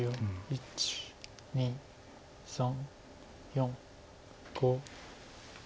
１２３４５。